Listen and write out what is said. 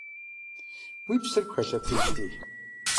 Уи псэр пхэлъэтыжти!